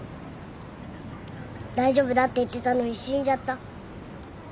大丈夫だって言ってたのに死んじゃった。